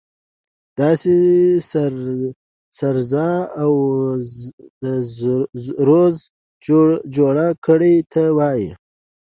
داسې درز او دروز جوړ کړي ته به وایي.